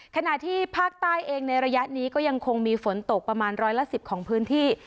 ขณะที่ภาคใต้เองในระยะนี้ก็ยังคงมีฝนตกประมาณร้อยละ๑๐ของพื้นที่